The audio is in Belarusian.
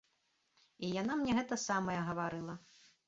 І яна мне гэта самае гаварыла.